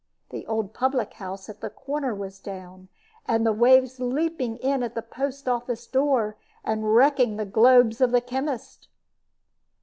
The old public house at the corner was down, and the waves leaping in at the post office door, and wrecking the globes of the chemist.